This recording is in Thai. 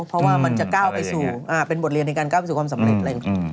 เพราะว่ามันจะก้าวไปสู่เป็นบทเรียนในการก้าวไปสู่ความสำเร็จ